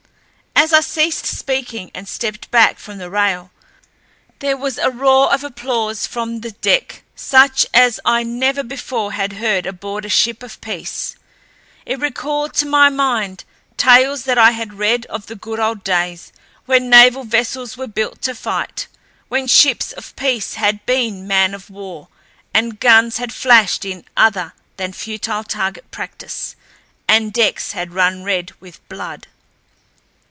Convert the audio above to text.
As I ceased speaking and stepped back from the rail there was a roar of applause from the deck such as I never before had heard aboard a ship of peace. It recalled to my mind tales that I had read of the good old days when naval vessels were built to fight, when ships of peace had been men of war, and guns had flashed in other than futile target practice, and decks had run red with blood.